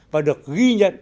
và được ghi nhận